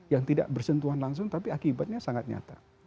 yang tidak bersentuhan langsung tapi akibatnya sangat nyata